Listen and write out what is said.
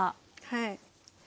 はい。